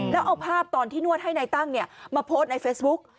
แล้วเอาภาพตอนที่นวดให้นายตั้งมาโพสต์ในเฟซบุ๊ก